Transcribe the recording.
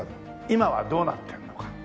今はどうなってるのか。